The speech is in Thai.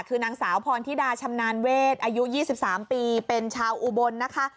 คือนางสาวพรธิดาชำนาญเวทอายุ๒๓ปีเป็นชาวอุบลนะคะ